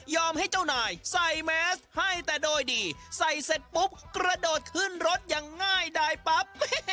ให้เจ้านายใส่แมสให้แต่โดยดีใส่เสร็จปุ๊บกระโดดขึ้นรถอย่างง่ายดายปั๊บ